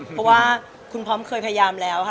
เพราะว่าคุณพร้อมเคยพยายามแล้วค่ะ